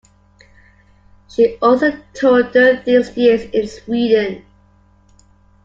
She also toured during these years in Sweden.